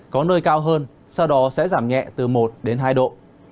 có nơi cao hơn sau đó sẽ giảm nhẹ từ một đến hai độ